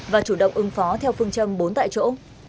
và chủ động ứng phó theo phương châm bốn tại chỗ